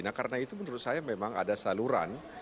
nah karena itu menurut saya memang ada saluran